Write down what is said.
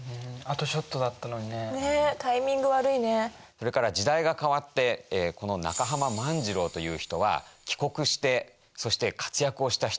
それから時代が変わってこの中浜万次郎という人は帰国してそして活躍をした人です。